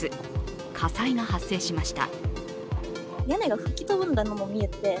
火災が発生しました。